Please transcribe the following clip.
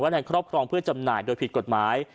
ในครอบครองเพื่อจำหน่ายโดยผิดกฎหมาย